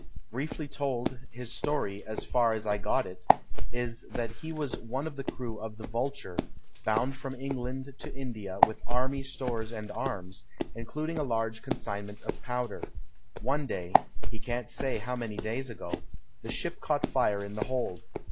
Briefly told, his story, as far as I got it, is that he was one of the crew of the Vulture, bound from England to India with army stores and arms, including a large consignment of powder. One day, he can't say how many days ago, the ship caught fire in the hold.